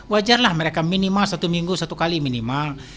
wajarlah mereka minimal satu minggu satu kali minimal